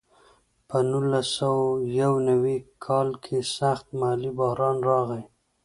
په نولس سوه یو نوي کال کې سخت مالي بحران راغی.